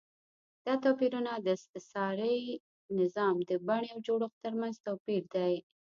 دا توپیرونه د استثاري نظام د بڼې او جوړښت ترمنځ توپیر دی.